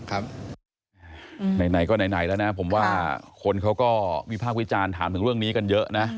คนเขาก็วิพากษ์วิจารณ์ถามถึงเรื่องนี้กันเยอะ